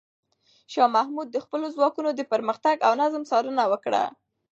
شاه محمود د خپلو ځواکونو د پرمختګ او نظم څارنه وکړه.